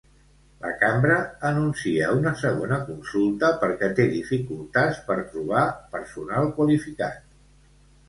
La Cambra anuncia una segona consulta perquè té dificultats per trobar personal qualificat.